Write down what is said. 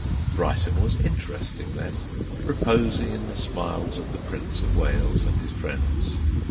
Brighton was interesting then, reposing in the smiles of the Prince of Wales and his friends.